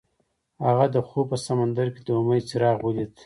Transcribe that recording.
هغه د خوب په سمندر کې د امید څراغ ولید.